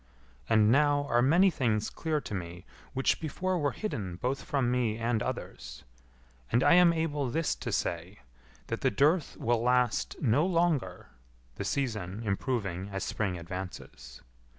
And now are many things clear to me which before were hidden both from me and others. And I am able this to say, that the dearth will last no longer the season improving as spring advances.